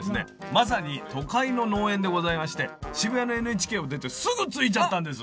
まさに都会の農園でございまして渋谷のＮＨＫを出てすぐ着いちゃったんです。